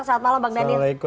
selamat malam bang daniel